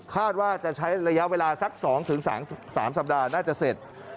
ว่าจะใช้ระยะเวลาสัก๒๓สัปดาห์น่าจะเสร็จ